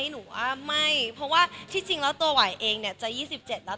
หนูว่าไม่เพราะว่าที่จริงแล้วตัวหวายเองจะ๒๗แล้ว